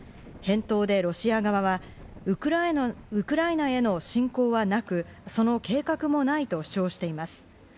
返答でロシア側はウクライナへの侵攻はなく、その計画もないと主張しています。